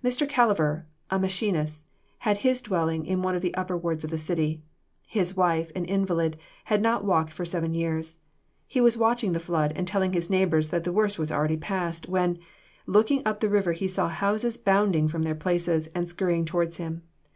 Mr. Calliver, a machinist, had his dwelling in one of the upper wards of the city. His wife, an invalid, had not walked for seven years. He was watching the flood, and telling his neighbors that the worst was already past, when, looking up the river, he saw houses bounding from their places and skurrying towards him.